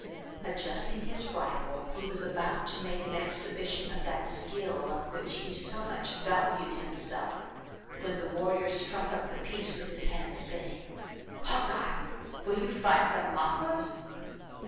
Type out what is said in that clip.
Adjusting his rifle, he was about to make an exhibition of that skill on which he so much valued himself, when the warrior struck up the piece with his hand, saying: "Hawkeye! will you fight the Maquas?"